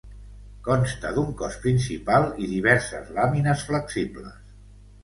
Consta d'un cos principal i diverses làmines flexibles.